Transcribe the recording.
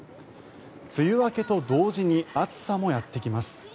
梅雨明けと同時に暑さもやってきます。